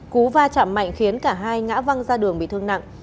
cú va chạm mạnh khiến cả hai ngã văng ra đường bị thương nặng